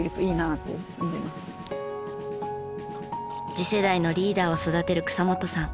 次世代のリーダーを育てる草本さん。